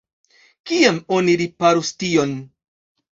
Kiam oni riparos tion?